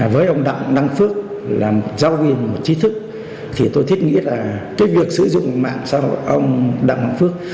với ông đặng đăng phước là giáo viên một trí thức thì tôi thích nghĩ là cái việc sử dụng mạng xã hội ông đặng đăng phước